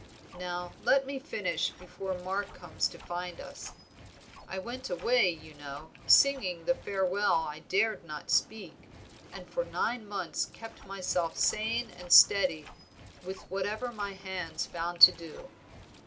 Now let me finish before Mark comes to find us. I went away, you know, singing the farewell I dared not speak, and for nine months kept myself sane and steady with whatever my hands found to do.